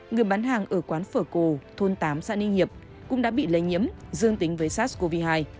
người bán hàng ở quán phở cô thôn tám xã ninh hiệp cũng đã bị lây nhiễm dương tính với sars cov hai